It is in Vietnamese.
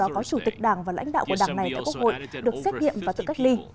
có chủ tịch đảng và lãnh đạo của đảng này tại quốc hội được xét nghiệm và tự cách ly